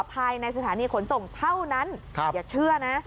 ภายในสถานีขนส่งเท่านั้นอย่าเชื่อนะ